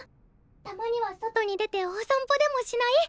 たまには外に出てお散歩でもしない？